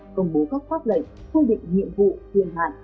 công bố các pháp lệnh thu định nhiệm vụ thiền hạn